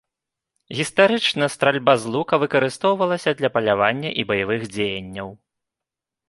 Гістарычна стральба з лука выкарыстоўвалася для палявання і баявых дзеянняў.